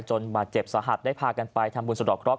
บาดเจ็บสาหัสได้พากันไปทำบุญสะดอกเคราะ